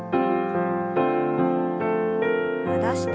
戻して。